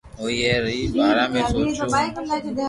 ھوئي اي ري بارا ۾ سوچو ھونن